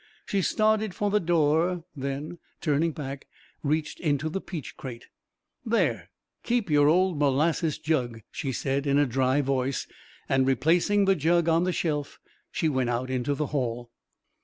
She started for the door, then, turning back, reached into the peach crate. "There! Keep your old molasses jug!" she said, in a dry voice, and, replacing the jug on the shelf, she went out into the hall.